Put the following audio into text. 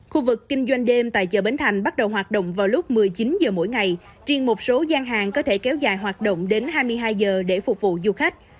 khu vực kinh doanh đêm tại chợ bến thành bắt đầu hoạt động vào lúc một mươi chín h mỗi ngày riêng một số gian hàng có thể kéo dài hoạt động đến hai mươi hai h để phục vụ du khách